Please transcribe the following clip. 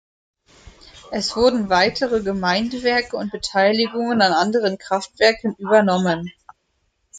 Es wurden weitere Gemeindewerke und Beteiligungen an anderen Kraftwerken übernommen.